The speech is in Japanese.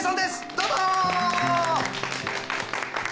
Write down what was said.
どうぞ！